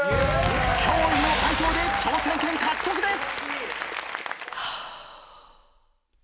驚異の解答で挑戦権獲得です！